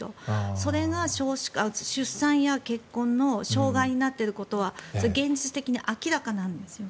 それが出産や結婚の障害になっていることは現実的に明らかなんですね。